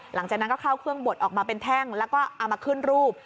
หลังจากนั้นก็เข้าเครื่องบดออกมาเป็นแท่งแล้วก็เอามาขึ้นรูป